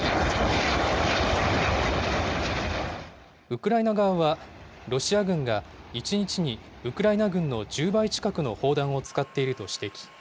ウクライナ側は、ロシア軍が１日にウクライナ軍の１０倍近くの砲弾を使っていると指摘。